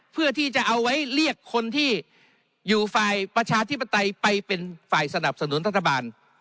เพื่อที่จะเอาไว้เรียกคนที่อยู่ฝ่ายประชาธิปไตยไปเป็นฝ่ายสนับสนุนรัฐบาล